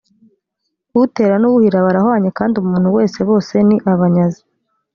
utera n uwuhira barahwanye kandi umuntu wesebose ni abanyazi